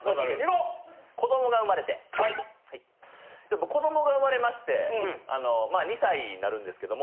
僕子どもが生まれまして２歳になるんですけども。